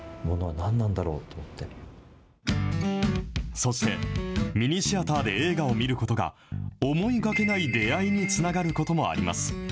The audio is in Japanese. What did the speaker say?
そして、ミニシアターで映画を見ることが、思いがけない出会いにつながることもあります。